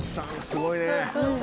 すごいね。